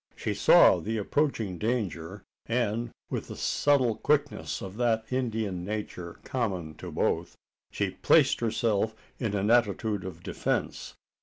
She saw the approaching danger; and, with the subtle quickness of that Indian nature common to both, she placed herself in an attitude of defence.